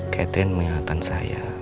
catherine mengingatkan saya